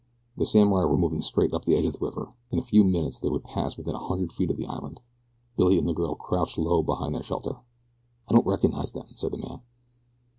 The samurai were moving straight up the edge of the river. In a few minutes they would pass within a hundred feet of the island. Billy and the girl crouched low behind their shelter. "I don't recognize them," said the man.